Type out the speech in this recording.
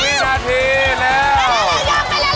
เยี่ยมไปแล้ว